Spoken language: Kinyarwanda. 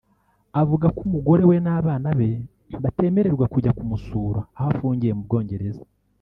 avuga ko umugore we n’abana be batemererwa kujya kumusura aho afungiye mu Bwongereza